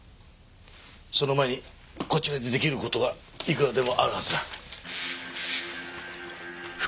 その前にこちらで出来る事はいくらでもあるはずだ。